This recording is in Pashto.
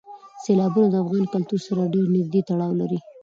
سیلابونه د افغان کلتور سره ډېر نږدې تړاو لري.